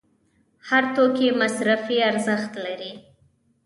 هر توکی مصرفي ارزښت لري.